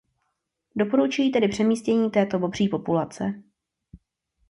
Doporučují tedy přemístění této bobří populace.